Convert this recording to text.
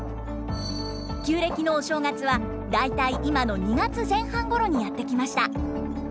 旧暦のお正月は大体今の２月前半ごろにやって来ました。